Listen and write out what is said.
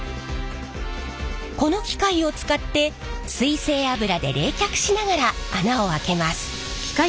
この機械を使って水性油で冷却しながら穴をあけます。